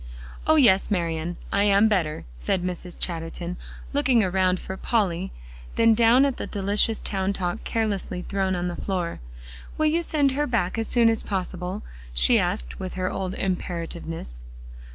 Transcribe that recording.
"Oh, yes, Marian; I am better," said Mrs. Chatterton, looking around for Polly, then down at the delicious Town Talk carelessly thrown on the floor. "Will you send her back as soon as possible?" she asked with her old imperativeness.